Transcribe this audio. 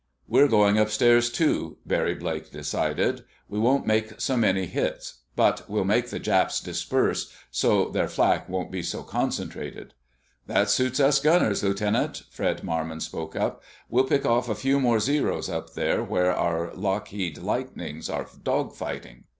"We're going upstairs, too," Barry Blake decided. "We won't make so many hits, but we'll make the Japs disperse, so their flak won't be so concentrated." "That suits us gunners, Lieutenant," Fred Marmon spoke up. "We'll pick off a few more Zeros up there where our Lockheed Lightnings are dogfighting."